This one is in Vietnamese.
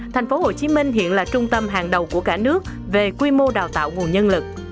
thành phố hồ chí minh hiện là trung tâm hàng đầu của cả nước về quy mô đào tạo nguồn nhân lực